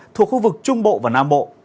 thuộc khu vực trung bộ và nam bộ